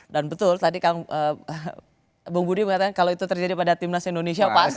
dan betul tadi bung budi mengatakan kalau itu terjadi pada timnas indonesia pasti